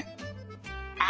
あ！